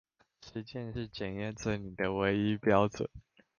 實踐是檢驗真理的唯一標準